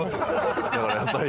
だからやっぱり。